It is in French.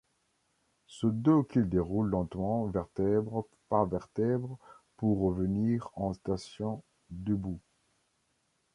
Ce dos qu’il déroule lentement, vertèbre par vertèbre, pour revenir en station debout.